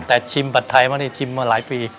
แต่ชิมผัดไทยมานี่ชิมมาหลายปี